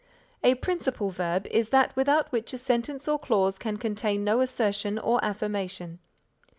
A principal verb is that without which a sentence or clause can contain no assertion or affirmation.